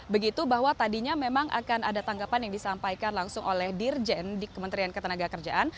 begitu bahwa tadinya memang akan ada tanggapan yang disampaikan langsung oleh dirjen di kementerian ketenaga kerjaan